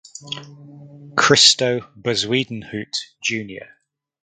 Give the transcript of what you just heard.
Christo Bezuidenhout Jnr.